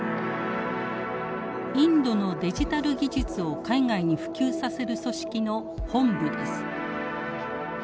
インドのデジタル技術を海外に普及させる組織の本部です。